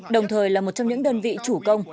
đồng thời là một trong những đơn vị chủ công